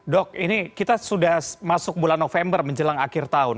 dok ini kita sudah masuk bulan november menjelang akhir tahun